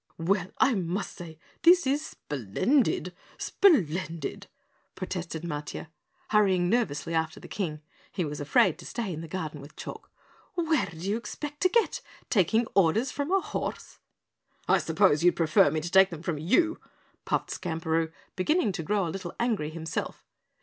"Well, I must say this is splendid, splendid!" protested Matiah, hurrying nervously after the King. (He was afraid to stay in the garden with Chalk.) "Where do you expect to get, taking orders from a horse?" "I suppose you'd prefer me to take them from you!" puffed Skamperoo, beginning to grow a little angry himself.